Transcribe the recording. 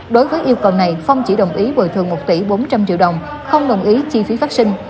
đối với yêu cầu này không chỉ đồng ý bồi thường một tỷ bốn trăm linh triệu đồng không đồng ý chi phí phát sinh